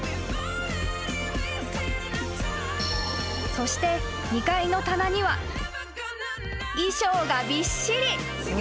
［そして２階の棚には衣装がびっしり］